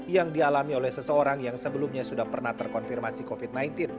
yang dialami oleh seseorang yang sebelumnya sudah pernah terkonfirmasi covid sembilan belas